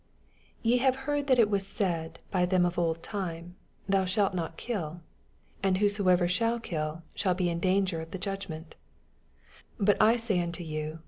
21 Ye have heard that it was said by them of old time, Thoa shalt not kill ; and whosoever shall kill shall be in danger of the judgment : 22 Bat I say nnto von.